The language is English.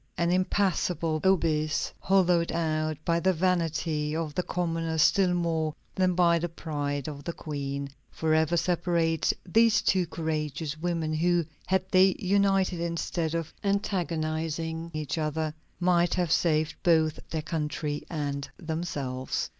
An impassable abyss, hollowed out by the vanity of the commoner still more than by the pride of the Queen, forever separates these two courageous women who, had they united instead of antagonizing each other, might have saved both their country and themselves.